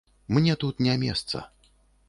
Мне тут не месца.